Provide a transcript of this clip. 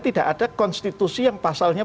tidak ada konstitusi yang pasalnya